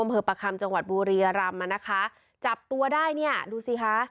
หรือประคัมจังหวัดบูรีอารมณ์นะคะจับตัวได้เนี่ยดูสิค่ะ